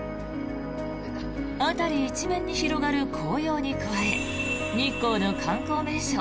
辺り一面に広がる紅葉に加え日光の観光名所